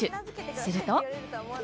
すると。